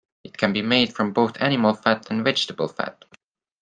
It can be made from both animal fat and vegetable fat.